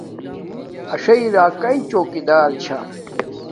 اݽݵ راکاݵ چوکی دار چھا